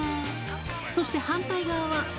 そして反対側は。